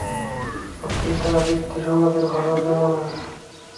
পতিতাবৃত্তি সমাজের ভালোর জন্য নয়।